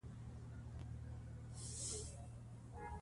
مور د ماشومانو د روغتیا په اړه د نورو میندو سره مشوره کوي.